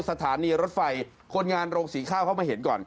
สถานีรถไฟคนงานโรงสีข้าวเข้ามาเห็นก่อน